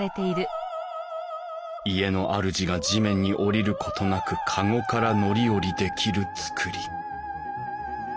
家のあるじが地面に降りることなく籠から乗り降りできる造り。